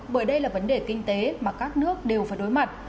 bởi đây là vấn đề kinh tế mà các nước đều phải đối mặt